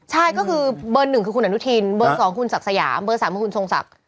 ใช่ก็คือเบอร์๑คือคุณอนุทินเบอร์๒คุณศักดิ์สยามเบอร์๓คือคุณทรงศักดิ์